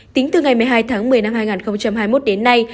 tính từ ngày một mươi hai tháng một mươi năm hai nghìn hai mươi một đến nay